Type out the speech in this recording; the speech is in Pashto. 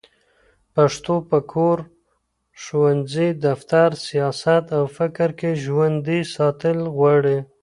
پښتو په کور، ښوونځي، دفتر، سیاست او فکر کې ژوندي ساتل غواړي